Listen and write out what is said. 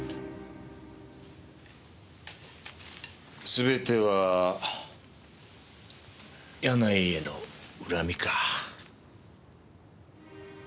全ては柳井への恨みか？